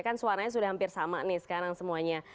kan suaranya sudah hampir sama nih sekarang semuanya